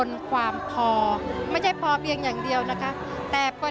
สวัสดีครับ